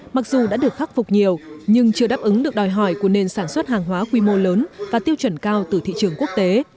mặc dù đã được khắc phục nhiều nhưng chưa đáp ứng được đòi hỏi của nền sản xuất hàng hóa quy mô lớn và tiêu chuẩn cao từ thị trường quốc tế